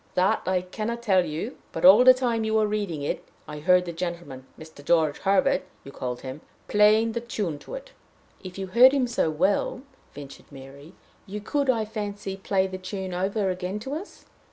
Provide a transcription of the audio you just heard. "That I can not tell you; but, all the time you were reading it, I heard the gentleman Mr. George Herbert, you call him playing the tune to it." "If you heard him so well," ventured Mary, "you could, I fancy, play the tune over again to us."